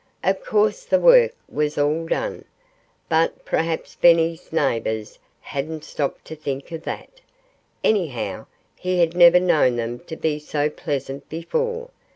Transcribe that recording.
Of course the work was all done. But perhaps Benny's neighbors hadn't stopped to think of that. Anyhow he had never known them to be so pleasant before.